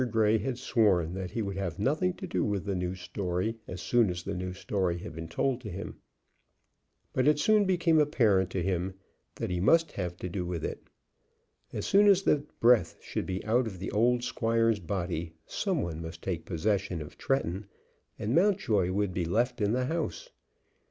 Grey had sworn that he would have nothing to do with the new story, as soon as the new story had been told to him; but it soon became apparent to him that he must have to do with it. As soon as the breath should be out of the old squire's body, some one must take possession of Tretton, and Mountjoy would be left in the house.